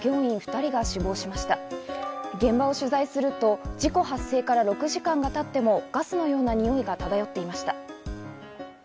現場周辺を取材すると事故発生から６時間が経ってもガスのようなにおいが漂っていました。